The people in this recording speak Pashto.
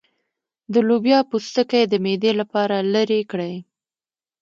د لوبیا پوستکی د معدې لپاره لرې کړئ